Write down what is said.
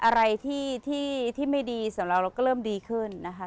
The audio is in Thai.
อะไรที่ไม่ดีสำหรับเราเราก็เริ่มดีขึ้นนะคะ